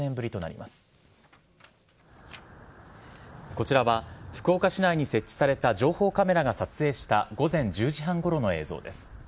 こちらは福岡市内に設置された情報をカメラが撮影した午前１０時半ごろの映像です。